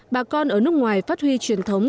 bà con ở nước ngoài phát huy truyền thống